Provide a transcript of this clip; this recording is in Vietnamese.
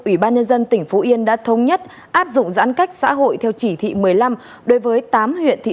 ủy ban nhân dân tỉnh phú yên đã thông nhất áp dụng giãn cách xã hội theo chỉ thị một mươi năm